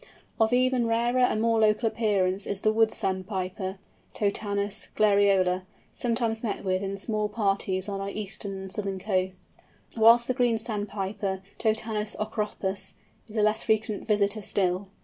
Of even rarer and more local appearance is the Wood Sandpiper (Totanus glareola), sometimes met with in small parties on our eastern and southern coasts; whilst the Green Sandpiper (Totanus ochropus) is a less frequent visitor still.